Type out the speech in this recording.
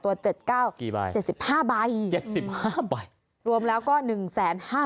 ตัวเจ็ดเก้าสิบห้าใบสิบห้าใบรวมแล้วก็หนึ่งแสนห้า